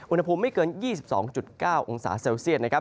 อุณหภูมิไม่เกิน๒๒๙องศาเซลเซียตนะครับ